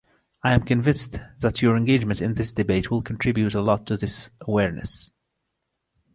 I am convinced that your engagement in this debate will contribute a lot to this awareness.